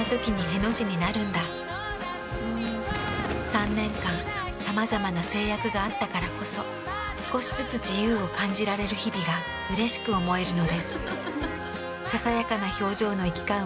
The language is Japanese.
３年間さまざまな制約があったからこそ少しずつ自由を感じられる日々がうれしく思えるのです。